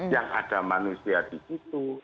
yang ada manusia di situ